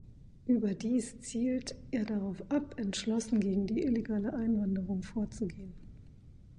Überdies zielt er darauf ab, entschlossen gegen die illegale Einwanderung vorzugehen.